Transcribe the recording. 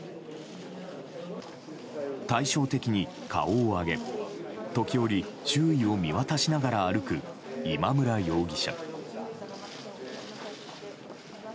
対照的に顔を上げ時折、周囲を見渡しながら歩く今村容疑者。